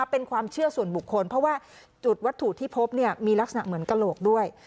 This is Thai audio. เป็นความเชื่อส่วนบุคคลเพราะว่าจุดวัตถุที่พบมีลักษณะเหมือนกระโหลกด้วย